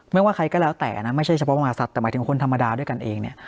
ว่าใครก็แล้วแต่นะไม่ใช่เฉพาะมหาศัตว์แต่หมายถึงคนธรรมดาด้วยกันเองเนี่ย